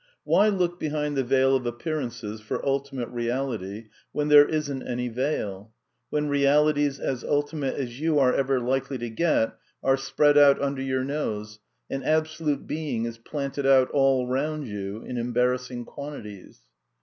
Why look behind the veil of appearances for ultimate ^ reality when there isn't any veil, when realities as ulti ' mate as you are ever likely to get are spread out under your nose, and absolute being is planted out all round you in embarrassing quantities